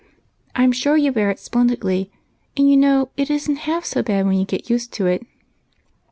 I 'm sure you bear it splendidly, and you know it is n't half so bad when you get used to it.